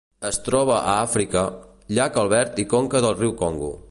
Es troba a Àfrica: llac Albert i conca del riu Congo.